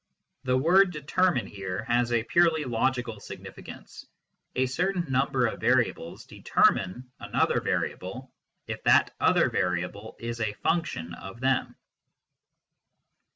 The word " determine," here, has a purely logical signifi cance : a certain number of variables " determine " another variable if that other variable is a function of them.